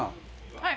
はい。